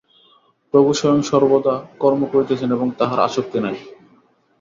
প্রভু স্বয়ং সর্বদা কর্ম করিতেছেন এবং তাঁহার আসক্তি নাই।